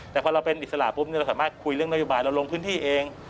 แต่พอเราเป็นอิสระปุ๊บเราสามารถคุยเรื่องนโยบายเราลงพื้นที่เอง